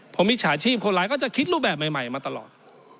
ผมมิจฉาชีพคนร้ายก็จะคิดรูปแบบใหม่มาตลอด